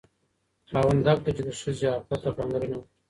خاوند حق لري چې د ښځې عفت ته پاملرنه وکړي.